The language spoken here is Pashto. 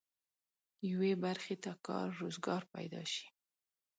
یوې برخې ته کار روزګار پيدا شي.